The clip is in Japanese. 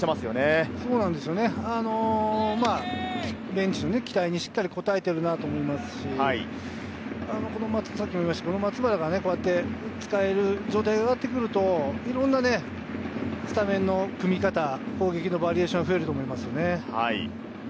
ベンチの期待にしっかり応えてるなと思いますし、松原がこうやって使える状態が上がってくると、いろんなスタメンの組み方、攻撃のバリエーションが増えると思いますね。